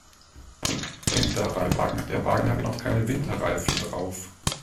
Denk daran, der Wagen hat noch keine Winterreifen drauf.